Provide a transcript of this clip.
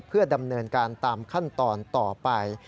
เพื่อดำเนินการตามขั้นตอนต่อไป